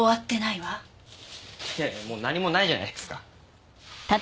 いやいやもう何もないじゃないですか。